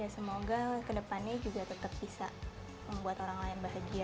semoga kedepannya juga tetap bisa membuat orang lain bahagia